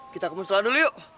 kita kemusola dulu yuk